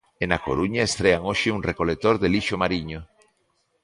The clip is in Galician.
E na Coruña estrean hoxe un recolector de lixo mariño.